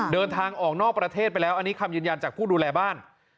เดินทางออกนอกประเทศไปแล้วอันนี้คำยืนยันจากผู้ดูแลบ้าน